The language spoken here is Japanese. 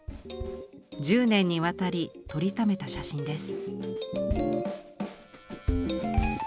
１０年にわたり撮りためた写真です。